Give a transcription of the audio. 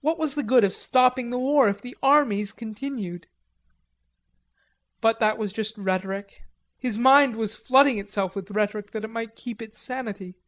What was the good of stopping the war if the armies continued? But that was just rhetoric. His mind was flooding itself with rhetoric that it might keep its sanity.